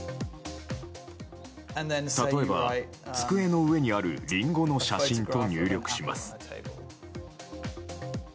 例えば、机の上にあるリンゴの写真と入力します。